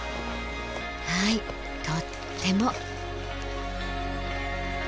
はいとっても。